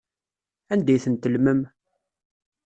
Anda ay ten-tellmem?